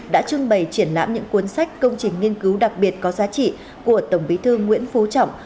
đã trưng bày triển lãm những cuốn sách công trình nghiên cứu đặc biệt có giá trị của tổng bí thư nguyễn phú trọng